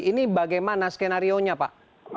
ini bagaimana skenario nya pak